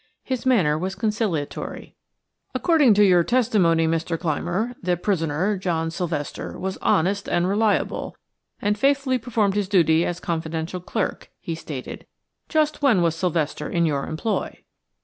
His manner was conciliatory. "According to your testimony, Mr. Clymer, the prisoner, John Sylvester, was honest and reliable, and faithfully performed his duties as confidential clerk," he stated. "Just when was Sylvester in your employ?"